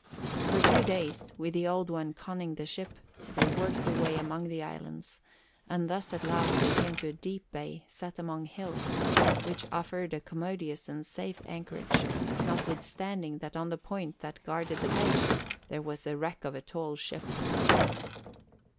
For two days, with the Old One conning the ship, they worked their way among the islands, and thus at last they came to a deep bay set among hills, which offered a commodious and safe anchorage, notwithstanding that on the point that guarded the bay there was the wreck of a tall ship.